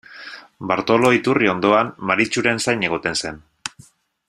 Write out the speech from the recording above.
Bartolo iturri ondoan Maritxuren zain egoten zen.